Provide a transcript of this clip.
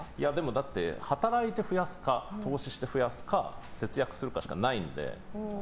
だって、働いて増やすか投資して増やすか節約するかしかないので。